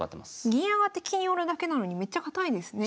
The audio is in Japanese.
銀上がって金寄るだけなのにめっちゃ堅いですね。